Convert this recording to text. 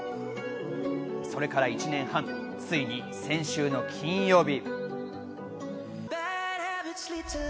それから１年半、ついに先週の金曜日。